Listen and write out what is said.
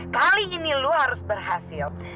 kali ini lu harus berhasil